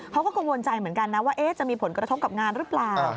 เขาก็กังวลใจเหมือนกันนะว่าจะมีผลกระทบกับงานหรือเปล่า